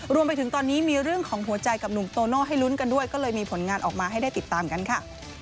รวมไปถึงตอนนี้มีเรื่องของหัวใจกับหนุ่มโตโน่ให้ลุ้นกันด้วยก็เลยมีผลงานออกมาให้ได้ติดตามกันค่ะ